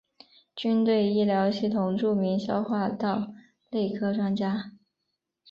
军队医疗系统著名消化道内科专家。